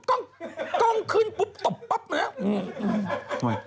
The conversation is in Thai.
กล้องขึ้นปุ๊บตบป๊บเนี่ย